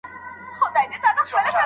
که غصه کوونکی سخته اړتيا ولري څه پيښيږي؟